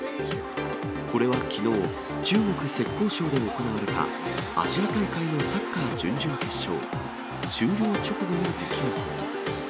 これはきのう、中国・浙江省で行われたアジア大会のサッカー準々決勝、終了直後の出来事。